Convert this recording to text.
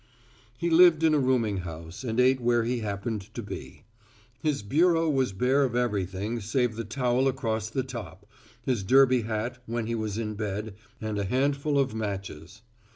He lived in a rooming house and ate where he happened to be. His bureau was bare of everything save the towel across the top, his derby hat, when he was in bed, and a handful of matches.